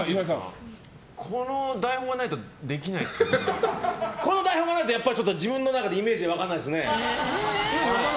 この台本がないとこの台本がないと自分の中でイメージ湧かないですね。